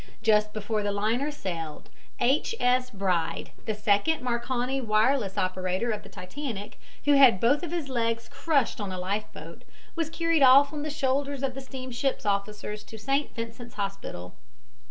Just before the liner sailed, H. S. Bride, the second Marconi wireless operator of the Titanic, who had both of his legs crushed on a life boat, was carried off on the shoulders of the ship's officers to St. Vincent's Hospital.